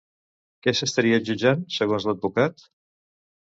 Què s'estaria jutjant, segons l'advocat?